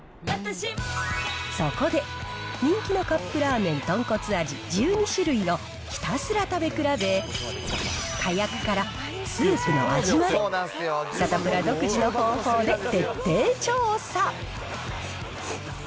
そこで、人気のカップラーメン豚骨味１２種類をひたすら食べ比べ、かやくからスープの味まで、サタプラ独自の方法で徹底調査。